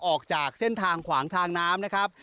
ออกจากเส้นทางขวางทางน้ำนะครับ